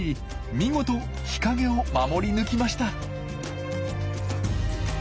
見事日陰を守り抜きました。